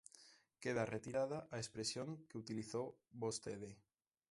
Queda retirada a expresión que utilizou vostede.